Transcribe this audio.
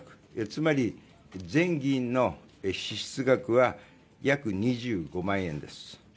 つまり、全議員の支出額は約２５万円です。